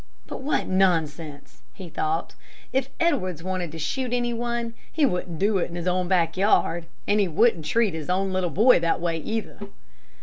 "But what nonsense!" he thought. "If Edwards wanted to shoot any one he wouldn't do it in his own back yard, and he wouldn't treat his own boy that way, either."